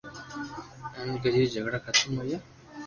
ھين گڄري جگڙا ختم ھويا